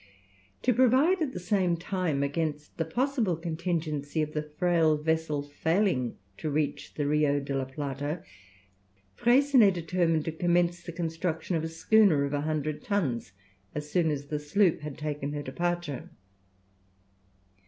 To provide, at the same time, against the possible contingency of the frail vessel failing to reach the Rio de la Plata, Freycinet determined to commence the construction of a schooner of a hundred tons, as soon as the sloop had taken her departure.